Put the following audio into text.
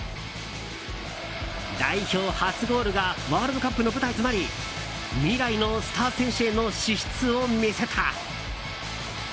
代表初のゴールがワールドカップの舞台となり未来のスター選手への資質を見せた。